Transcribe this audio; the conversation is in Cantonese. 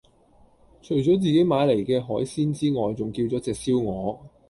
除左自己買黎既海鮮之外仲叫左隻燒鵝